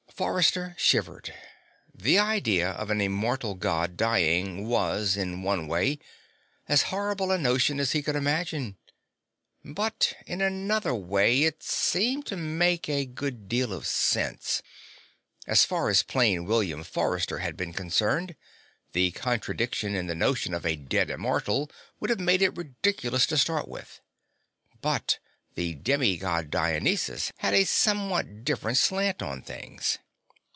Forrester shivered. The idea of an immortal God dying was, in one way, as horrible a notion as he could imagine. But in another way, it seemed to make a good deal of sense. As far as plain William Forrester had been concerned, the contradiction in the notion of a dead immortal would have made it ridiculous to start with. But the demi God Dionysus had a somewhat different slant on things.